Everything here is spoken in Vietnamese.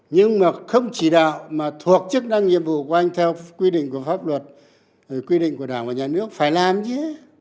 nhưng mà không chỉ đạo mà thuộc chức năng nhiệm vụ của anh theo quy định của pháp luật quy định của đảng và nhà nước phải làm chứ